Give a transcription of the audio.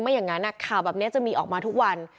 อย่างนั้นข่าวแบบนี้จะมีออกมาทุกวัน